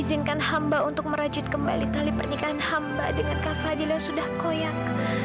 izinkan hamba untuk merajut kembali tali pernikahan hamba dengan kak fadil yang sudah koyak